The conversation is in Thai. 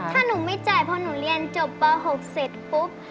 ถ้าหนูไม่จ่ายเพราะหนูเรียนจบป๖เสร็จปุ๊บ